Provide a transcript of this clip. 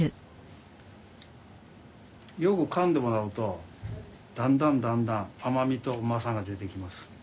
よくかんでもらうとだんだんだんだん甘味とうまさが出てきます。